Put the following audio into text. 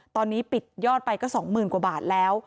ตอนนี้ปิดยอดไปก็๒๐๐๐กว่าบาทแล้ว